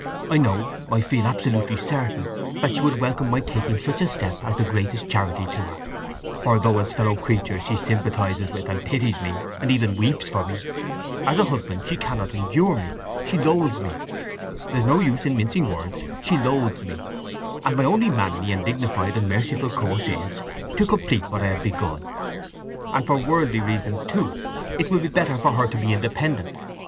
I know—I feel absolutely certain—that she would welcome my taking such a step as the greatest charity to her. For though as a fellow creature she sympathizes with, and pities me, and even weeps for me, as a husband she cannot endure me—she loathes me—there's no use in mincing words—she loathes me, and my only manly, and dignified, and merciful course is to complete what I have begun… And for worldly reasons, too, it will be better for her to be independent.